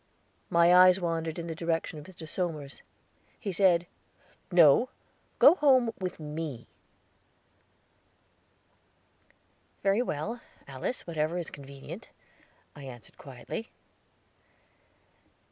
My eyes wandered in the direction of Mr. Somers. His said: "No; go home with me." "Very well, Alice, whatever is convenient," I answered quietly.